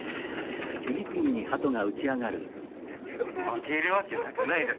負けるわけなくないですか